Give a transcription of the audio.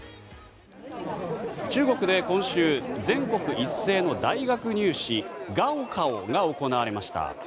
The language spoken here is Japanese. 中国で今週、全国一斉の大学入試ガオカオが行われました。